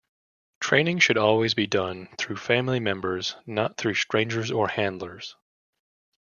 Training should always be done through family members, not through strangers or handlers.